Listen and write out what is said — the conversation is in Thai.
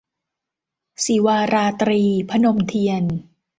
ศิวาราตรี - พนมเทียน